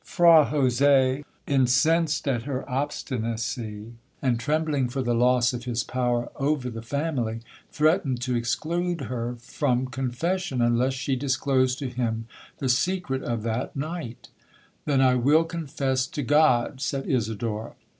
'Fra Jose, incensed at her obstinacy, and trembling for the loss of his power over the family, threatened to exclude her from confession, unless she disclosed to him the secret of that night—'Then I will confess to God!' said Isidora.